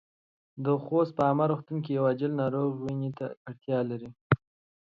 د خوست په عامه روغتون کې يو عاجل ناروغ وينې ته اړتیا لري.